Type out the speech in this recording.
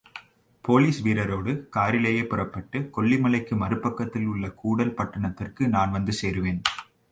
Police வீரரோடு காரிலேயே புறப்பட்டு, கொல்லி மலைக்கு மறுபக்கத்தில் உள்ள கூடல் பட்டணத்திற்கு நான் வந்து சேருவேன்.